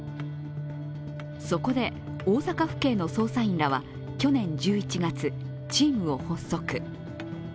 そこで大阪府警の捜査員らは去年１１月、チームを発足。